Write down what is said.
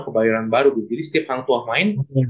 kebayaran baru gitu jadi setiap hang tuah main